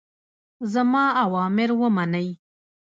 زما اوامر ومنئ.